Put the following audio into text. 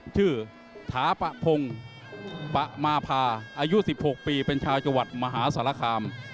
ชื่อถาปะพงปะมาภาอายุ๑๖ปีเป็นชาวจัวรรดิมหาสารคาม